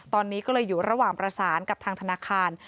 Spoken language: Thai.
ตอนนี้ก็เลยอยู่ระหว่างประสานกับทางธนาคาร